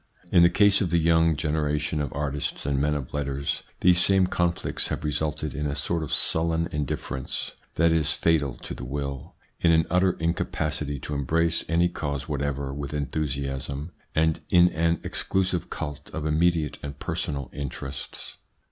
In the case of the young generation of artists and men of letters, these same conflicts have resulted in a sort of sullen in difference that is fatal to the will, in an utter incapacity to embrace any cause whatever with enthusiasm, and in an exclusive cult of immediate and personal interests.